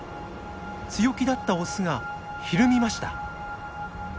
強気だったオスがひるみました。